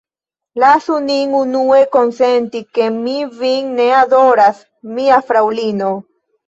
Lasu nin unue konsenti, ke mi vin ne adoras, mia fraŭlino.